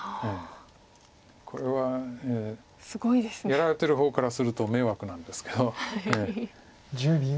やられてる方からすると迷惑なんですけど。